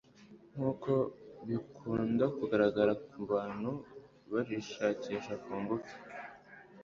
nk'uko bikundakugaragara ku bantu barishakisha ku ngufu